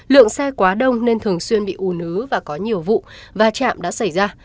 lượng xe quá đông nên thường xuyên bị ù nứ và có nhiều vụ va chạm đã xảy ra